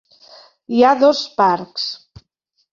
Hi ha dos parcs.